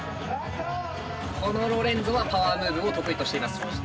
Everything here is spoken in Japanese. このロレンゾはパワームーブを得意としています。